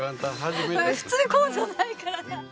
普通こうじゃないから。